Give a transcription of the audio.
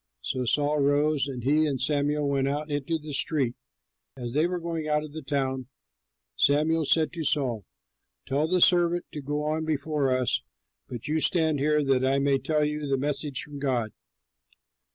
So Saul rose, and he and Samuel went out into the street. As they were going out of the town, Samuel said to Saul, "Tell the servant to go on before us, but you stand here that I may tell you the message from God."